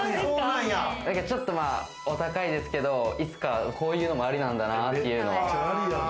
ちょっとお高いですけど、いつかこういうのもアリなんだなっていうのは。